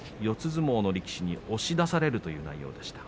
相撲の力士に押し出されるという内容でした。